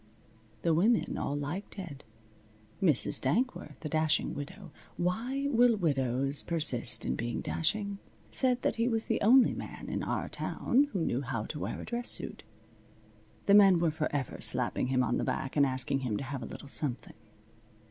The women all liked Ted. Mrs. Dankworth, the dashing widow (why will widows persist in being dashing?), said that he was the only man in our town who knew how to wear a dress suit. The men were forever slapping him on the back and asking him to have a little something.